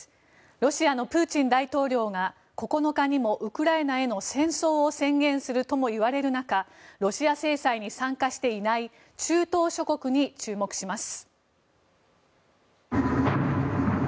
ロシアのプーチン大統領が９日にもウクライナへの戦争を宣言するともいわれる中ロシア制裁に参加していない中東諸国に注目します。